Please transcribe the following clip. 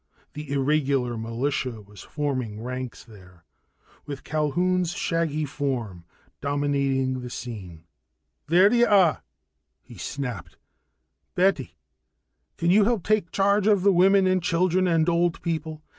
The irregular militia was forming ranks there, with Culquhoun's shaggy form dominating the scene. "There you are," he snapped. "Betty, can you help take charge of the women and children and old people?